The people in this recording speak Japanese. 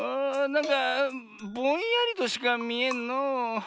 なんかぼんやりとしかみえんのう。